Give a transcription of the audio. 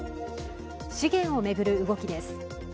資源を巡る動きです。